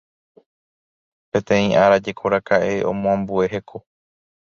Péteĩ ára jekoraka'e omoambue heko